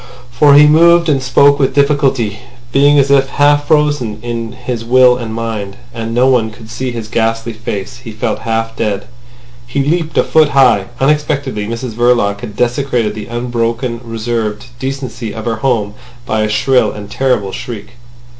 For he moved and spoke with difficulty, being as if half frozen in his will and mind—and no one could see his ghastly face. He felt half dead. He leaped a foot high. Unexpectedly Mrs Verloc had desecrated the unbroken reserved decency of her home by a shrill and terrible shriek.